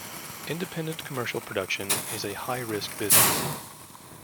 Independent commercial production is a high risk business.